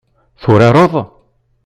Turareḍ?